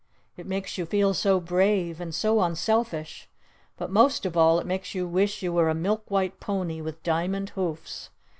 It makes you feel so brave! And so unselfish! But most of all it makes you wish you were a milk white pony with diamond hoofs!